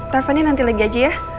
telfonnya nanti lagi aja ya